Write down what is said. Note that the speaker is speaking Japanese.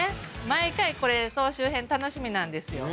毎回これ総集編楽しみなんですよ。